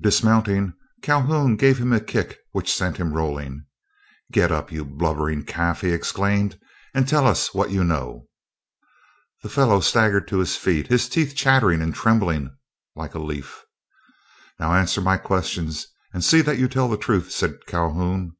Dismounting Calhoun gave him a kick which sent him rolling. "Get up, you blubbering calf," he exclaimed, "and tell us what you know." The fellow staggered to his feet, his teeth chattering, and trembling like a leaf. "Now, answer my questions, and see that you tell the truth," said Calhoun.